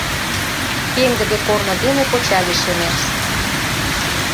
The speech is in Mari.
Пеҥгыде корно дене коча лишемеш.